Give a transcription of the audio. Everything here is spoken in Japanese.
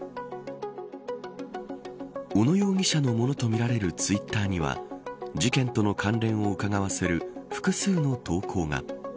小野容疑者のものとみられるツイッターには事件との関連をうかがわせる複数の投稿が。